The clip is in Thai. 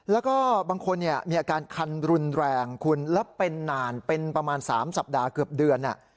แล้วก็บางคนมีอาการคันรุนแรงคุณแล้วเป็นนานเป็นประมาณ๓สัปดาห์เกือบเดือน